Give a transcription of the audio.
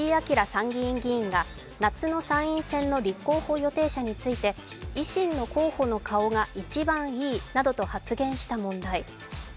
参議院議員が夏の参院選の立候補予定者について維新の候補の顔が一番いいなどと発言した問題。